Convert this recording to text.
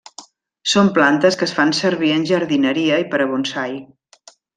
Són plantes que es fan servir en jardineria i per a bonsai.